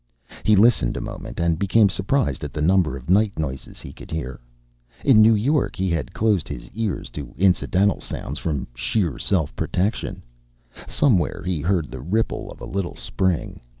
He listened a moment, and became surprised at the number of night noises he could hear. In New York he had closed his ears to incidental sounds from sheer self protection. Somewhere he heard the ripple of a little spring.